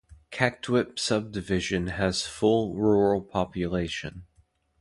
Kakdwip subdivision has full rural population.